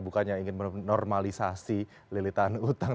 bukannya ingin menormalisasi lilitan utang